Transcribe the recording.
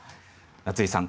夏井さん